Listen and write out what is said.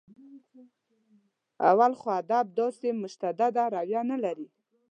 اول خو ادب داسې متشدده رویه نه لري.